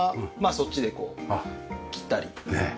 そっちで切ったり。